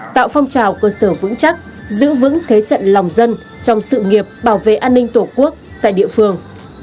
tạo phong trào cơ sở vững chắc giữ vững thế trận lòng dân trong sự nghiệp bảo vệ an ninh tổ quốc tại địa phương